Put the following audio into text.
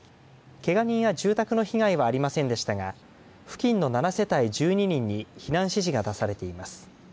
けが人や住宅の被害はありませんでしたが付近の７世帯１２人に避難指示が出されています。